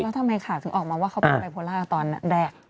แล้วทำไมข่าวถึงออกมาว่าเขาเป็นไบโพล่าตอนแรก